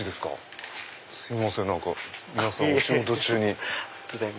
すいません皆さんお仕事中に。